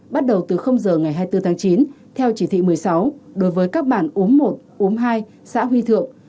bắt đầu từ giờ ngày hai mươi bốn tháng chín theo chỉ thị một mươi sáu đối với các bản uống một uốm hai xã huy thượng